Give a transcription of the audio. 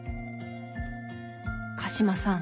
鹿島さん